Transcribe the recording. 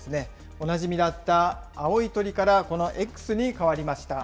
おなじみだった青い鳥から、このＸに変わりました。